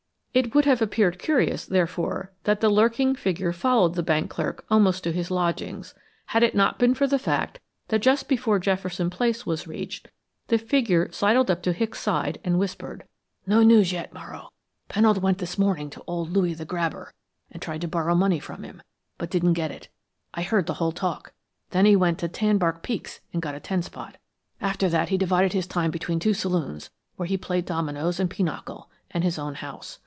It would have appeared curious, therefore, that the lurking figure followed the bank clerk almost to his lodgings, had it not been for the fact that just before Jefferson Place was reached the figure sidled up to Hicks' side and whispered: "No news yet, Morrow. Pennold went this morning to old Loui the Grabber and tried to borrow money from him, but didn't get it. I heard the whole talk. Then he went to Tanbark Pete's and got a ten spot. After that, he divided his time between two saloons, where he played dominoes and pinochle, and his own house.